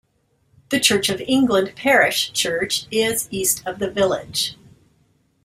The Church of England parish church is east of the village.